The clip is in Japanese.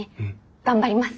頑張ります！